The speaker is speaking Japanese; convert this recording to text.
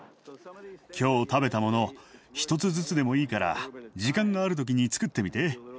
今日食べたもの一つずつでもいいから時間がある時につくってみて。